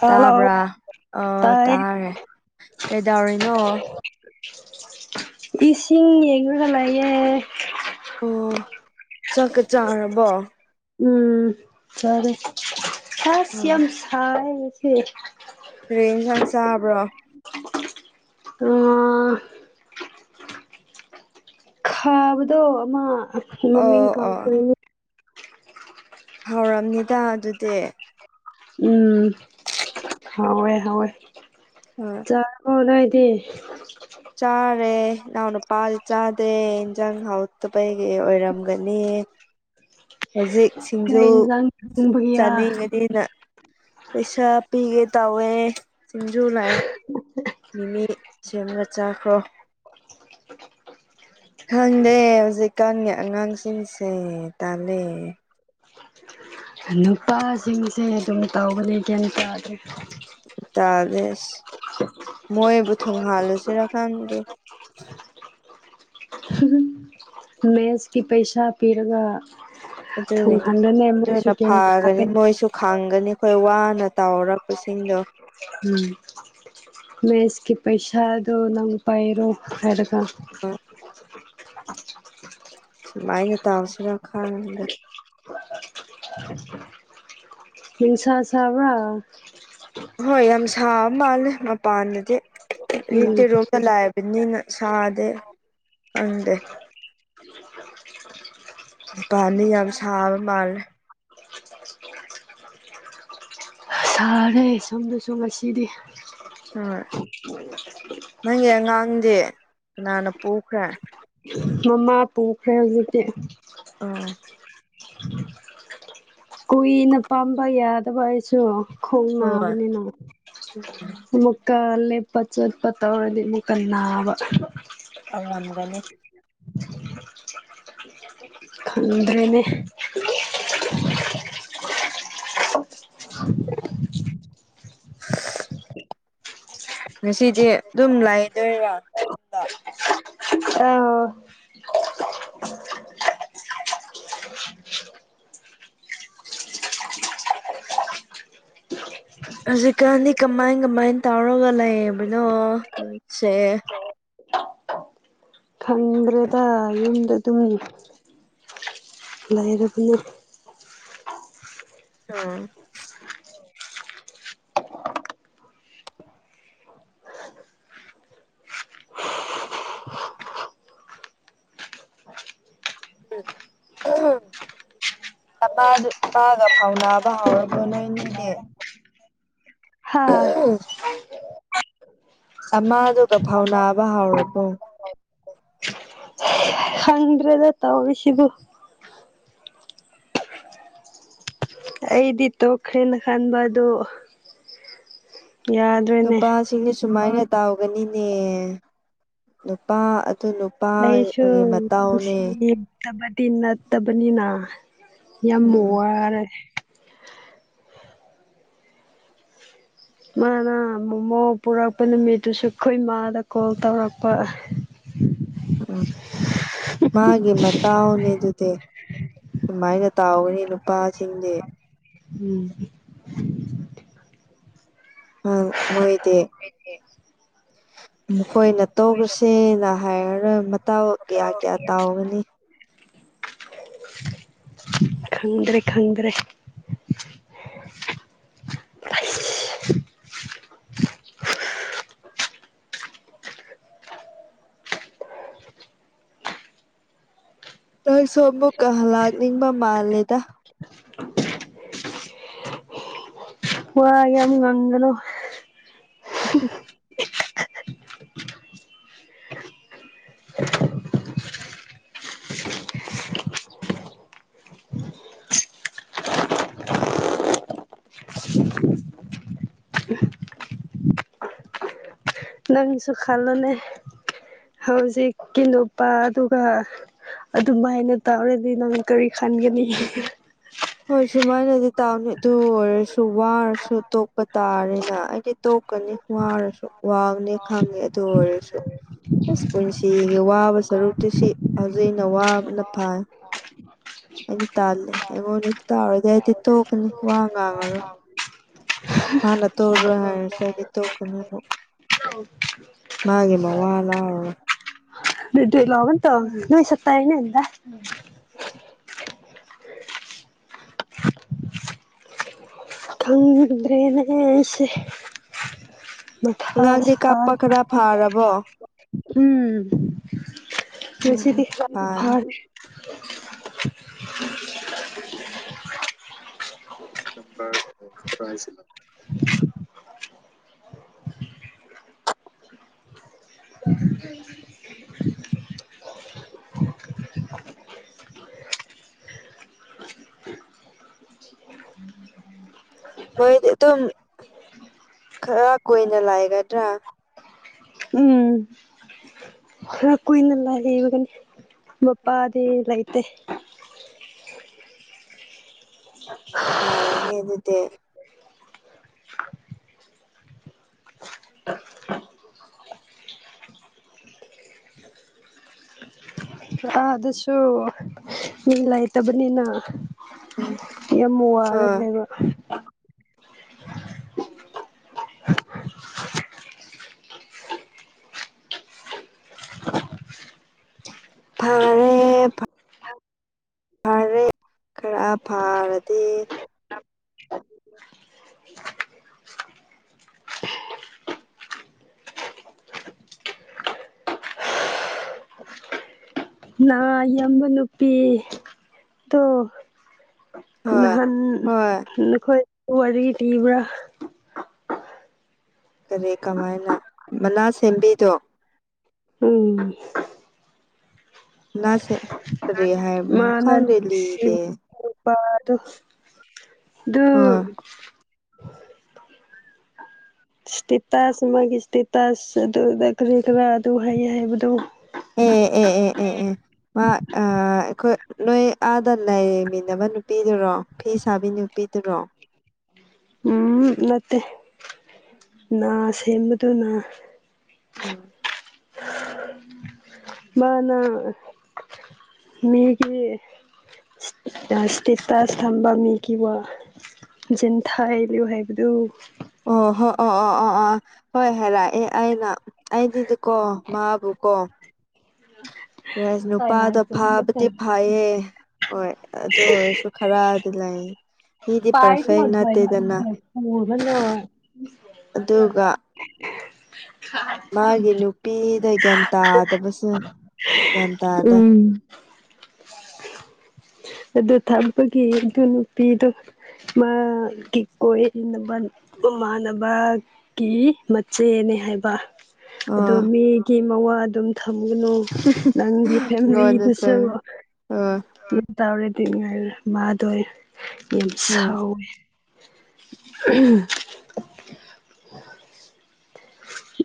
hello ꯇꯥꯕ꯭ꯔꯥ ꯑꯣ ꯇꯥꯏꯌꯦ ꯇꯥꯔꯦ ꯀꯩꯗꯧꯔꯤꯅꯣ ꯏꯁꯤꯡ ꯌꯦꯡꯂꯒ ꯂꯩꯌꯦ ꯑꯣ ꯆꯥꯛꯀ ꯆꯥꯔꯕꯣ ꯎꯝ ꯐꯔꯦ ꯑꯁ ꯎꯝ ꯌꯥꯝ ꯁꯥꯏ ꯉꯁꯤ ꯀꯔꯤ ꯌꯦꯟꯁꯥꯡ ꯆꯥꯕ꯭ꯔꯣ ꯑꯣ ꯈꯥꯕꯗꯣ ꯑꯃ ꯃꯃꯤꯡ ꯑꯣ ꯑꯣ ꯀꯥꯎꯈꯔꯦꯅꯦ ꯍꯥꯎꯔꯝꯅꯤꯗ ꯑꯗꯨꯗꯤ ꯎꯝ ꯍꯥꯎꯋꯦ ꯍꯥꯎꯋꯦ ꯍꯣꯏ ꯆꯥꯔꯕꯣ ꯅꯣꯏꯗꯤ ꯆꯥꯔꯦ ꯏꯅꯥꯎ ꯅꯨꯄꯥꯗꯤ ꯆꯥꯗꯦ ꯏꯟꯖꯥꯡ ꯍꯥꯎꯠꯇꯄꯒꯤ ꯑꯣꯏꯔꯝ ꯒꯅꯤ ꯍꯧꯖꯤꯛ ꯁꯤꯡꯖꯨ ꯀꯩ ꯏꯟꯖꯥꯡ ꯊꯣꯡꯕꯒꯤꯔꯥ ꯆꯥꯅꯤꯡꯉꯗꯤꯅ ꯄꯩꯁꯥ ꯄꯤꯒꯦ ꯇꯧꯋꯦ ꯁꯤꯡꯖꯨ ꯂꯩꯔ ꯃꯤꯃꯤ ꯁꯦꯝꯔ ꯆꯥꯈ꯭ꯔꯣ ꯈꯪꯗꯦ ꯍꯧꯖꯤꯛꯀꯥꯟꯒꯤ ꯑꯉꯥꯡꯁꯤꯡꯁꯦ ꯇꯜꯂꯦ ꯅꯨꯄꯥꯁꯤꯡꯁꯦ ꯑꯗꯨꯝ ꯇꯩꯕꯅꯦ ꯒ꯭ꯌꯥꯟ ꯇꯥꯗꯦ ꯇꯥꯗꯦ ꯑꯁ ꯃꯣꯏꯕꯨ ꯊꯨꯡꯍꯟꯂꯁꯤꯔ ꯈꯪꯗꯦ [unintelligible] ꯃꯦꯁꯀꯤ ꯄꯩꯁꯥ ꯄꯤꯔꯒ ꯑꯗꯨꯒꯤꯅꯤ ꯊꯣꯡꯍꯜꯂꯅꯦ ꯃꯣꯏꯁꯨ ꯑꯗꯨꯅ ꯒ꯭ꯌꯥꯟ ꯐꯥꯒꯅꯤ ꯇꯥꯒꯅꯤ ꯃꯣꯏꯁꯨ ꯈꯡꯒꯅꯤ ꯑꯩꯈꯣꯏ ꯋꯥꯅ ꯇꯧꯔꯛꯄꯁꯤꯡꯗꯣ ꯎꯝ ꯃꯦꯁꯀꯤ ꯄꯩꯁꯥ ꯑꯗꯨ ꯅꯪ ꯄꯥꯏꯔꯣ ꯍꯥꯏꯔꯒ [unintelligible] ꯀꯃꯥꯏꯅ ꯇꯧꯁꯤꯔꯥ ꯈꯪꯗꯦ ꯅꯨꯡꯁꯥ ꯁꯥꯕ꯭ꯔꯥ ꯍꯣꯏ ꯌꯥꯝ ꯁꯥꯕ ꯃꯥꯜꯂꯦ ꯃꯄꯥꯟꯗꯗꯤ ꯎꯝ ꯇꯦꯔꯣꯞꯗ ꯂꯥꯛꯑꯦꯕ ꯅꯤꯅ ꯁꯥꯗꯦ ꯀꯟꯗꯦ [unintelligible] ꯃꯄꯥꯟꯗꯤ ꯌꯥꯝ ꯁꯥꯕ ꯃꯥꯜꯂꯦ ꯁꯥꯔꯦ ꯁꯣꯝꯗꯁꯨ ꯉꯁꯤꯗꯤ ꯍꯣꯏ ꯅꯪꯒꯤ ꯑꯉꯥꯡꯗꯤ ꯀꯅꯥꯅ ꯄꯨꯈ꯭ꯔꯦ ꯃꯃꯥ ꯄꯨꯈ꯭ꯔꯦ ꯍꯧꯖꯤꯛꯇꯤ ꯑꯥ ꯀꯨꯏꯅ ꯄꯝꯕ ꯌꯥꯗꯕ ꯑꯩꯁꯨ ꯈꯣꯡ ꯍꯣꯏ ꯅꯥꯕꯅꯤꯅ ꯃꯨꯛꯀ ꯂꯦꯞ ꯆꯠꯄ ꯇꯧꯔꯗꯤ ꯃꯨꯛꯀ ꯅꯥꯕ ꯗꯧꯔꯝꯒꯅꯤ [inaudible] [inaudible] ꯈꯪꯗ꯭ꯔꯅꯦ [inaudible] ꯉꯁꯤꯗꯤ ꯑꯗꯨꯝ ꯂꯩꯗꯣꯏꯔꯥ ꯌꯨꯝꯗ ꯑꯥꯎ ꯍꯧꯖꯤꯛꯀꯥꯟꯗꯤ ꯀꯃꯥꯏ ꯀꯃꯥꯏ ꯇꯧꯔꯒ ꯂꯩꯕꯅꯣ ꯁꯦ ꯈꯪꯗ꯭ꯔꯦꯗ ꯌꯨꯝꯗ ꯑꯗꯨꯝ ꯂꯩꯔꯕꯅꯤ ꯎꯝ ꯎꯝ ꯃꯥꯒ ꯐꯥꯎꯅꯕ ꯍꯧꯔꯕꯣ ꯅꯣꯏꯅꯤꯗꯤ ꯍꯥ ꯎꯝ [inaudible] ꯑꯃꯥꯗꯨꯒ ꯐꯥꯎ ꯅꯥꯕ ꯍꯥꯎꯔꯕꯣ ꯈꯪꯗ꯭ꯔꯦꯗ ꯇꯧ ꯑꯣ ꯁꯤꯗ [inaudible] ꯑꯩꯗꯤ ꯇꯣꯛꯈ꯭ꯔꯦ ꯅꯍꯥꯟ ꯄꯥꯗꯣ ꯌꯥ ꯅꯨꯄꯥꯁꯤꯡꯗꯤ ꯁꯨꯃꯥꯏꯅ ꯇꯧꯒꯅꯤꯅꯦ ꯅꯨꯄꯥ ꯑꯗꯨ ꯂꯩꯁꯨ ꯅꯨꯄꯥꯒꯤ ꯃꯇꯥꯎꯅꯦ ꯅꯨꯡꯁꯤꯌꯦ ꯊꯕꯛꯇꯤ ꯅꯠꯇꯕꯅꯤꯅ ꯌꯥꯝ ꯃꯣ ꯎꯝ ꯋꯥꯔꯦ ꯃꯥꯅ ꯃꯣꯃꯣ ꯄꯨꯔꯛꯄ ꯅꯨꯃꯤꯠꯇꯨꯁꯨ ꯈꯨꫭꯏ ꯏꯃꯥꯗ ꯀꯣꯜ ꯇꯧꯔꯛꯄ ꯎꯝ ꯃꯥꯒꯤ ꯃꯇꯥꯎꯅꯦ ꯑꯗꯨꯗꯤ ꯁꯨꯃꯥꯏꯅ ꯇꯥꯎꯒꯅꯤ ꯅꯨꯄꯥꯁꯤꯡꯗꯤ ꯎꯝ ꯎꯝ ꯃꯣꯏꯗꯤ ꯑꯩꯦ [inaudible] ꯃꯈꯣꯏꯅ ꯇꯣꯛꯔꯁꯦ ꯍꯥꯏꯔꯔꯣꯏ ꯃꯇꯥꯎ ꯀꯌꯥ ꯀꯌꯥ ꯇꯥꯎꯒꯅꯤ ꯈꯪꯗ꯭ꯔꯦ ꯈꯪꯗ꯭ꯔꯦ ꯅꯣꯢꯁꯨ ꯑꯃꯨꯛꯀ ꯂꯥꯛꯅꯤꯡꯕ ꯃꯥꯜꯂꯦꯗ ꯋꯥ ꯌꯝ ꯉꯥꯡꯒꯅꯨ ꯎ [inaudible] ꯅꯪꯁꯨ ꯈꯜꯂꯣꯅꯦ ꯍꯧꯖꯤꯛꯀꯤ ꯅꯨꯄꯥ ꯑꯗꯨꯒ ꯑꯗꯨ ꯃꯥꯏꯅ ꯇꯧꯔꯗꯤ ꯅꯪ ꯀꯔꯤ ꯈꯟꯒꯅꯤ ꯍꯣꯏ ꯁꯨꯃꯥꯏꯅꯗꯤ ꯇꯥꯕꯅꯦ ꯑꯗꯨ ꯑꯣꯏꯔꯁꯨ ꯋꯥꯔꯁꯨ ꯇꯣꯛꯄ ꯇꯥꯔꯦꯅ ꯑꯩꯗꯤ ꯇꯣꯛꯀꯅꯤ ꯋꯥꯔꯁꯨ ꯋꯥꯕꯅꯦ ꯈꯪꯉꯦ ꯑꯗꯨ ꯑꯣꯏꯔꯁꯨ ꯑꯁ ꯄꯨꯟꯁꯤꯒꯤ ꯋꯥꯕ ꯁꯔꯨꯛꯇꯨ ꯁꯤ ꯍꯧꯖꯤꯛꯅ ꯋꯥꯕꯅ ꯐꯥꯔꯦ ꯑꯩꯗꯤ ꯇꯥꯜꯂꯦ ꯑꯩꯉꯣꯟꯗ ꯇꯥꯔꯗꯤ ꯑꯩꯗꯤ ꯇꯣꯛꯀꯅꯤ ꯋꯥ ꯉꯥꯡꯉꯔꯣꯏ ꯍꯥꯟꯅ ꯇꯨꯔꫭ ꯍꯥꯏꯔꯁꯨ ꯑꯩꯗꯤ ꯇꫭꯛꯀꯅꯤꯕꫭ ꯃꯥꯒꯤ ꯃꯋꯥ ꯂꯧ [unintelligible] ꯗꯤ ꯂꯒꯅꯤ ꯇ ꯅꯨꯏ ꯁꯛꯇ ꯇꯩꯅ ꯑ ꯈꯪꯗꯔꯦꯅꯦ ꯑꯩꯁꯦ ꯑꯉꯥꯡꯗꯤ ꯁ ꯀꯥꯞꯄ ꯈꯔ ꯐꯥꯔꯕꯣ [unintelligible] ꯎꯝ ꯎꯝ ꯎꯝ ꯃꯦꯁꯤꯗꯤ ꯂꯝꯕꯤ ꯐꯩ ꯐꯥꯔꯦ [inaudible] ꯝꯕ꯭ꯔꯥꯏꯁ [unintelligible] ꯅꫭꯏꯗꯤ ꯑꯗꯨꯝ ꯈꯔ ꯀꯨꯏꯅ ꯂꯩꯒꯗ꯭ꯔꯥ ꯈꯕ ꯀꯨꯏꯅ ꯂꯩꯕꯅꯤ ꯅꯨꯄꯥꯗꯤ ꯂꯩꯥꯇꯦ [inaudible] ꯐꯩꯌꯦꯅꯦ ꯑꯗꯨꯗꯤ ꯎꯝꯍꯨꯝ [inaudible] [unintelligible] ꯅꯍꯥꯗꯨꯁꯨ ꯃꯤ ꯂꯩꯇꯕꯅꯤꯅ ꯌꯥꯝ ꯋꯥꯔꯦ ꯑꯥ ꯂꯩꯕ ꯑꯣ ꯐꯔꯦ ꯐ ꯐꯔꯦ ꯈꯔ ꯐꯔꯗꯤ ꯅꯌꯥꯝꯕ ꯅꯨꯄꯤ ꯇꯣ ꯍꯣꯏ ꯅꯍꯥꯟ ꯍꯣꯏ ꯅꯈꯣꯏ ꯋꯥꯔꯤ ꯂꯤꯕ꯭ꯔꯥ ꯀꯔꯤ ꯀꯃꯥꯏꯅ ꯃꯅꯥ ꯁꯦꯝꯕꯤꯗꯣ ꯎꯝ ꯂꯥꯞꯁꯦ ꯀꯔꯤ ꯍꯥꯏꯕꯅꫭ ꯈꯪꯗꯦ ꯂꯤꯗꯦ ꯎꯄꯥꯗꯨ ꯑꯗꯨ ꯍꯣꯏ ꯏꯁꯇꯦꯇꯁ ꯃꫭꯏꯒꯤ ꯏꯁꯇꯦꯇꯁ ꯑꯗꯨꯗ ꯀꯔꯤꯀꯂꯔꯥ ꯑꯗꯨ ꯍꯥꯏꯋꯦ ꯍꯥꯏꯕꯗꯨ ꯑꯦ ꯑꯦ ꯑꯦ ꯑꯦ ꯑꯦ ꯃꯥ ꯑꯥ ꯑꯩꯈꯣꯏ ꯅꯣꯏ ꯑꯩ ꯑꯥꯗ ꯂꯩꯃꯤꯟꯅꯕ ꯅꯨꯄꯤꯗꯨꯔꯣ ꯐꯤ ꯁꯥꯕꯤ ꯅꯨꯄꯤꯗꯨꯔꯣ ꯎꯝ ꯅꯠꯇꯦ ꯅꯁꯦꯝꯕꯗꯨꯅ ꯎꯝ ꯃꯥꯅ ꯃꯤꯒꯤ ꯏꯁꯇꯦꯇꯥꯁ ꯊꯝꯕꯥ ꯃꯤꯒꯤ ꯋꯥ ꯖꯤꯟ ꯊꯥ ꯍꯂꯨ ꯍꯥꯏꯕꯗꯨ ꯑꯣ ꯍꯣꯏ ꯑꯣ ꯑꯣ ꯑꯣ ꯑꯥ ꯍꯣꯏ ꯍꯥꯏꯕ ꯑꯩꯅ ꯑꯩꯗꯤꯗ ꯀꯣ ꯃꯥꯕꯨ ꯀꯣ ꯅꯨꯄꯥꯗꯣ ꯐꯥꯕꯗꯤ ꯐꯥꯏꯌꯦ ꯍꯣꯏ ꯑꯗꯨ ꯑꯣꯏꯔꯁꯨ ꯈꯔꯗꯤ ꯂꯩ ꯃꯤꯗꯤ ꯄꯔꯐꯦꯛ ꯅꯠꯇꯦꯗꯅ ꯑꯗꯨꯒ ꯑꯣ ꯃꯥꯒꯤ ꯅꯨꯄꯤꯗ ꯒ꯭ꯌꯥꯟ ꯇꯥꯗꯕꯁꯦ ꯒ꯭ꯌꯥꯟ ꯇꯥꯗꯦ ꯎꯝ ꯑꯗꯨ ꯊꯥꯛꯄꯒꯤ ꯑꯗꯨ ꯅꯨꯄꯤꯗꯨ ꯃꯥꯒꯤ ꯀꯣꯏꯅꯕ ꯃꯃꯥꯟꯅꯕ ꯀꯤ ꯃꯆꯦꯅꯦ ꯍꯥꯏꯕ ꯑ ꯑꯗꯨ ꯃꯤꯒꯤ ꯃꯋꯥ ꯑꯗꯨꯝ ꯊꯝꯒꯅꯨ ꯅꯪꯒꯤ ꯂꯣꯟꯅ ꯐꯦꯝꯃꯤꯂꯤꯗꯁꯨ ꯆꯪ ꯑ ꯇꯧꯔꯦꯗꯤ ꯉꯥꯏꯔꯦ ꯃꯥꯗꯣꯏ ꯎꯝ ꯁꯥꯎ ꯎꯝ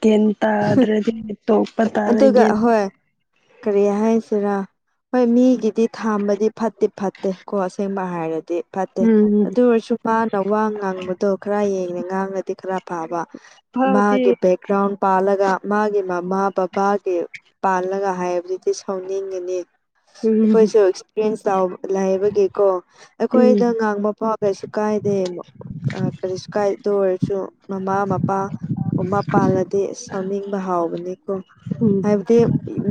ꯒꯌꯦꯟ ꯇꯥꯗꯔꯗꯤ ꯇꯣꯛꯄ ꯇꯥꯔꯦ ꯑꯗꯨꯒ ꯒꯌꯟ ꯍꯣꯏ ꯀꯔꯤ ꯍꯥꯏꯁꯤꯔꯥ ꯍꯣꯏ ꯃꯤꯒꯤꯗꯤ ꯊꯥꯝꯕꯗꯤ ꯐꯠꯇꯦ ꯐꯠꯇꯦ ꯀꯣ ꯑꯁꯦꯡꯕ ꯍꯥꯏꯔꯗꯤ ꯐꯠꯇꯦ ꯎꯝ ꯑꯗꯨ ꯑꯣꯏꯁꯨꯄꯥꯟ ꯋꯥ ꯉꯥꯡꯕꯗꯣ ꯈꯔ ꯌꯦꯡꯉꯦ ꯉꯥꯡꯉꯗꯤ ꯈꯔ ꯐꯕ ꯐꯥꯎꯗꯤ ꯃꯥꯒꯤ ꯕꯦꯛꯒ꯭ꯔꯥꯎꯟ ꯄꯥꯜꯂꯒ ꯃꯥꯒꯤ ꯃꯃꯥ ꯕꯕꯥꯒꯤ ꯄꯥꯜꯂꯒ ꯍꯥꯏꯕꯗꯨꯗꯤ ꯁꯥꯎꯅꯤꯡꯒꯅꯤ ꯎꯝ ꯑꯩꯈꯣꯏꯁꯨ ꯑꯦꯛꯁꯄꯤꯌꯦꯟꯁ ꯂꯩꯕꯒꯤꯀꯣ ꯎꯝ ꯑꯩꯈꯣꯏꯗ ꯉꯥꯡꯕ ꯄꯥꯎ ꯀꯩꯁꯨ ꯀꯥꯏꯗꯦꯕ ꯀꯔꯤꯁꯨ ꯀꯥꯏꯗ ꯑꯣꯏꯔꯁꯨ ꯃꯃꯥ ꯃꯄꯥ ꯃꯃꯥ ꯄꯥꯜ ꯁꯥꯎꯅꯤꯡꯕ ꯍꯥꯎꯕꯅꯤꯀꯣ ꯎꯝ ꯍꯥꯏꯕꯗꯤ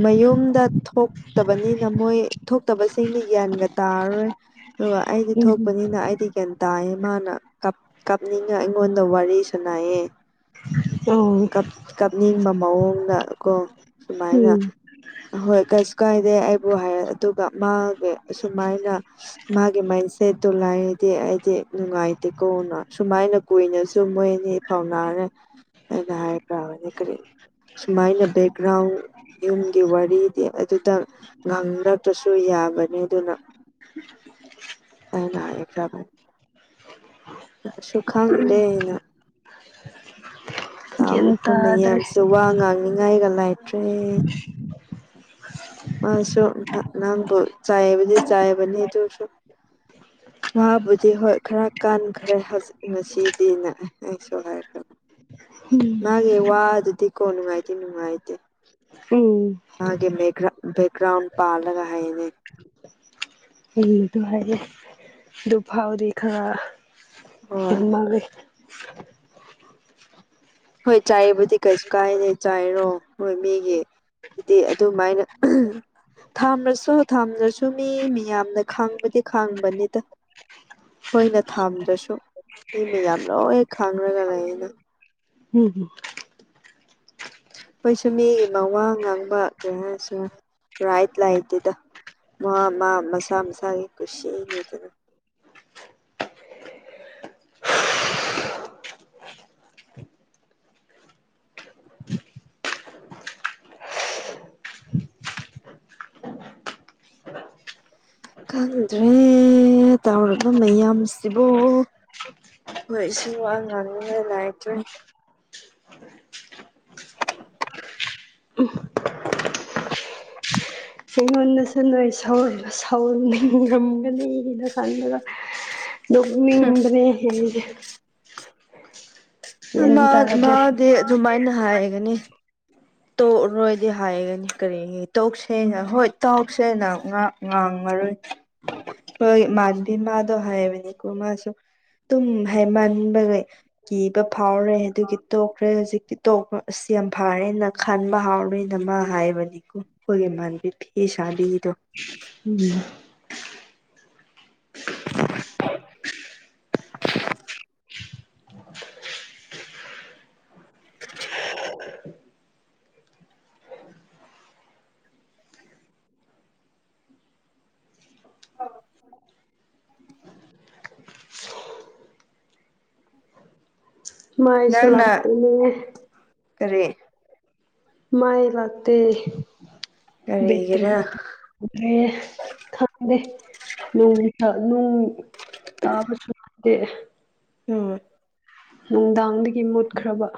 ꯃꯌꯨꯝꯗ ꯊꯣꯛ ꯊꯣꯛꯇꯕꯅꯤꯅ ꯃꯣꯏ ꯊꯣꯛꯇꯕꯁꯤꯡꯗꯤ ꯒ꯭ꯌꯥꯟꯒ ꯇꯥꯔꯔꯣꯏ ꯑꯗꯨꯒ ꯑꯩꯗꯤ ꯎꯝ ꯊꯣꯛꯄꯅꯤꯅ ꯑꯩꯗꯤ ꯀꯩꯅꯣ ꯇꯥꯏꯌꯦ ꯃꯥꯅ ꯀꯥꯞꯅꯤꯡꯉ ꯑꯩꯉꯣꯟꯗ ꯋꯥꯔꯤꯁꯥꯅꯩꯌꯦ ꯑꯣ ꯀꯥꯞꯅꯤꯡꯕ ꯃꯑꯣꯡꯗ ꯀꯣ ꯁꯨꯃꯥꯏꯅ ꯎꯝ ꯍꯣꯏ ꯀꯩꯁꯨ ꯀꯥꯏꯗꯦ ꯑꯩꯕꯨ ꯍꯥꯏꯔ ꯑꯗꯨꯒ ꯃꯥꯒꯤ ꯑꯁꯨꯨꯃꯥꯏꯅ ꯃꯥꯒꯤ ꯃꯥꯏꯟꯁꯦꯠꯇꯣ ꯂꯥꯏꯗꯤ ꯑꯩꯗꯤ ꯅꯨꯡꯉꯥꯏꯇꯦꯀꯣꯅ ꯁꯨꯃꯥꯏꯅ ꯀꯨꯏꯅꯁꯨ ꯃꯣꯏ ꯑꯅꯤ ꯐꯥꯎꯅꯥꯔꯦ ꯑꯩꯅ ꯍꯥꯏꯈ꯭ꯔꯕꯅꯤ ꯀꯔꯤ ꯁꯨꯃꯥꯏꯅ ꯕꯦꯛꯒ꯭ꯔꯥꯎꯟ ꯌꯨꯝꯒꯤ ꯋꯥꯔꯤꯗꯤ ꯑꯗꯨꯗꯪ ꯉꯥꯡꯗꯅꯕꯁꯨ ꯌꯥꯕꯅꯤ ꯑꯗꯨꯅ ꯑꯩꯅ ꯍꯥꯏꯈ꯭ꯔꯕ ꯁꯨ ꯈꯪꯗꯦꯅ ꯒ꯭ꯌꯥꯟ ꯇꯥꯎꯔꯤꯕꯥ ꯇꯥꯗ꯭ꯔꯦ ꯃꯌꯥꯝꯁꯦ ꯋꯥ ꯉꯥꯡꯅꯤꯉꯥꯏꯒ ꯂꯥꯏꯇ꯭ꯔꯦ ꯃꯥꯁꯨ ꯅꯪꯕꯨ ꯆꯥꯕꯨꯗꯤ ꯆꯥꯕꯅꯤ ꯗꯨꯁꯨ ꯃꯥꯕꯨꯗꯤ ꯍꯣꯏ ꯈꯔ ꯀꯥꯟꯈ꯭ꯔꯦ ꯍꯧꯖꯤꯛ ꯁꯤꯗꯤꯅ ꯑꯩꯁꯨ ꯍꯥꯏꯈ꯭ꯔ ꯎꯝ ꯃꯥꯒꯤ ꯋꯥ ꯑꯗꯨꯗꯤ ꯀꯣ ꯅꯨꯡꯉꯥꯏꯇꯦ ꯅꯨꯡꯉꯥꯏꯇꯦ ꯎꯝ ꯃꯥꯒꯤ ꯕꯦꯛꯒ꯭ꯔꯥꯎꯟ ꯄꯥꯜꯂꯒ ꯍꯥꯏꯅꯦ ꯑꯩ ꯑꯗꯨ ꯍꯥꯏꯔꯦ ꯑꯗꯨ ꯐꯥꯎꯗꯤ ꯈꯔ ꯍꯣꯏ ꯌꯥꯝꯃꯂꯜꯂꯤ ꯍꯣꯏ ꯆꯥꯏꯕꯨꯗꯤ ꯀꯩꯁꯨ ꯀꯥꯏꯗꯦ ꯆꯥꯏꯔꯣ ꯍꯣꯏ ꯃꯤꯒꯤ ꯗꯤ ꯑꯗꯨꯃꯥꯏꯅ ꯊꯥꯝꯂꯁꯨ ꯊꯥꯝꯗ꯭ꯔꯁꯨ ꯃꯤ ꯃꯤꯌꯥꯝꯅ ꯈꯥꯡꯕꯗꯤ ꯈꯥꯡꯕꯅꯤꯗ ꯑꯩꯈꯣꯏꯅ ꯊꯥꯝꯗꯁꯨ ꯃꯤ ꯃꯌꯥꯝ ꯂꯣꯏ ꯈꯪꯡꯔꯒ ꯂꯩꯌꯦ ꯍꯝ ꯑꯩꯈꯣꯏꯁꯨ ꯃꯤꯒꯤ ꯃꯋꯥ ꯉꯥꯡꯕ ꯀꫪꯤ ꯍꯥꯏꯁꯤꯔ ꯔꯥꯏꯠ ꯂꯥꯏꯇꯦ ꯃꯥ ꯃꯥ ꯃꯁꯥ ꯃꯁꯥꯒꯤ ꯀꯨꯁꯤꯅꯤ ꯑꯗꯨ ꯈꯪꯗ꯭ꯔꯦꯅꯦ ꯇꯧꯔꯤꯕ ꯃꯌꯥꯝꯁꯤꯕꯨ ꯍꯣꯏ ꯑꯩꯁꯨ ꯋꯥ ꯉꯥꯡꯅꯤꯡꯉꯥꯏ ꯂꯩꯔꯛꯇꯔ꯭ꯦ ꯑꯩꯉꯣꯟꯗꯁꯨ ꯅꯣꯏ ꯁꯧ ꯁꯧꯅꯤꯡ ꯉꯝꯒꯅꯤꯅ ꯈꯟꯕꯗ ꯑꯗꯣ ꯃꯤꯡꯕꯨꯗꯤ ꯍꯦ ꯑꯥ ꯒ꯭ꯌꯥꯟ ꯃꯥ ꯇꯥꯗ꯭ꯔꯦ ꯃꯥꯗꯤ ꯑꯗꯨꯃꯥꯏꯅ ꯍꯥꯏꯒꯅꯤ ꯇꯣꯛꯔꯣꯏꯗꯤ ꯍꯥꯏꯒꯅꯤ ꯀꯔꯤꯒꯤ ꯇꯣꯛꯁꯦꯅ ꯍꯣꯏ ꯇꯣꯛꯁꯦꯅ ꯉꯥꯡ ꯉꯥꯡꯉꯔꯣꯏ [inaudible] ꯍꯣꯏ ꯃꯥꯟꯕꯤ ꯃꯥꯗꯣ ꯍꯥꯏꯕꯅꯤꯀꯣ ꯃꯥꯁꯨ ꯇꯨꯝ ꯍꯥꯏꯃꯟꯕꯒꯤ ꯀꯤꯕ ꯐꯥꯎꯔꯦ ꯑꯗꯨꯒꯤ ꯇꯣꯛꯈ꯭ꯔꯦ ꯍꯧꯖꯤꯛꯇꯤ ꯇꯣꯛꯄ ꯑꯁ ꯌꯥꯝ ꯐꯥꯔꯦ ꯈꯟꯕ ꯍꯥꯎꯔꯣꯏꯅ ꯃꯥꯍꯥꯏꯕꯅꯤꯀꯣ ꯑꯩꯈꯣꯏꯒꯤ ꯏꯃꯥꯟꯕꯤ ꯐꯤ ꯁꯥꯕꯤꯗꯣ [unintelligible] ꯃꯥꯥꯏꯁꯨ ꯅꯪꯅ ꯂꯥꯛꯇꯦꯅꯦ ꯀꯔꯤ ꯃꯩ ꯂꯥꯛꯇꯦ ꯕꯦꯇꯔꯤ ꯀꯔꯤꯒꯤꯔ ꯈꯪꯗꯦ ꯅꯨꯡ ꯇꯥꯕꯁꯨ [unintelligible] ꯎꯝ ꯅꯨꯡꯗꯥꯡꯗꯒꯤ ꯃꯨꯠꯈ꯭ꯔꯕ